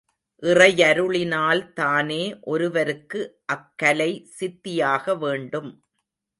இறையருளினால்தானே ஒருவருக்கு அக்கலை சித்தியாக வேண்டும்.